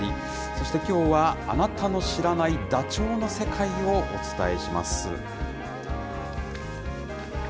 そしてきょうは、あなたの知らないダチョウの世界をお伝えします。